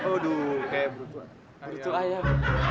aduh kayak buruk ayam